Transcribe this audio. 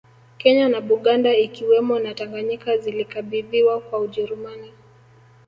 Kenya na Buganda ikiwemo na Tanganyika zilikabidhiwa kwa Ujerumani